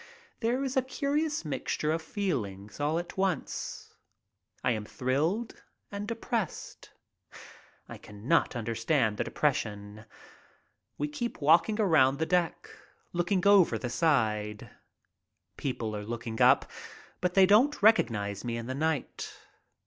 There is a curious mixture of feelings all at once. I am thrilled and depressed. I cannot understand the depression. We keep walking around the deck, looking over the side. People are looking up, but they don't recognize me in the night.